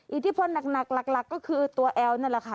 อิทธิพลหลักก็คือตัวแอลนั่นแหละค่ะ